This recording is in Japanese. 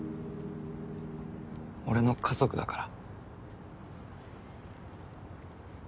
俺の家族だから。